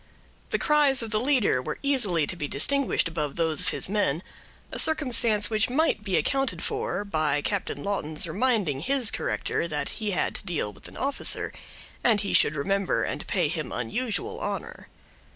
The cries of the leader were easily to be distinguished above those of his men; a circumstance which might be accounted for, by Captain Lawton's reminding his corrector that he had to deal with an officer, and he should remember and pay him unusual honor.